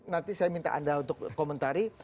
nanti saya minta anda untuk komentari